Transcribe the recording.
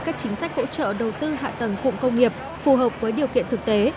các chính sách hỗ trợ đầu tư hạ tầng cụm công nghiệp phù hợp với điều kiện thực tế